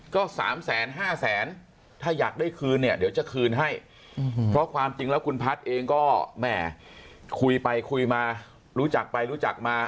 ก็๓๕แสนถ้าอยากได้คืนเนี่ยเดี๋ยวจะคืนให้เพราะความจริงแล้วคุณพัฒน์เองก็แหม่คุยไปคุยมารู้จักไปรู้จักมา